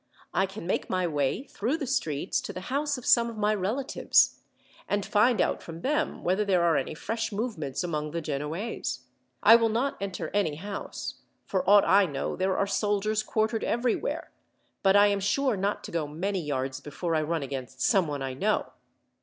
I can make my way, through the streets, to the house of some of my relatives, and find out from them whether there are any fresh movements among the Genoese. I will not enter any house; for aught I know there are soldiers quartered everywhere; but I am sure not to go many yards before I run against someone I know."